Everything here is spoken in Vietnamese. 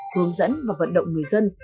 hướng dẫn và vận động người dân